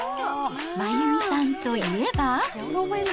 真弓さんといえば。